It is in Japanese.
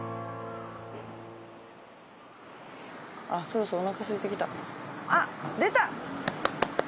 そろそろおなかすいてきたあっ出た！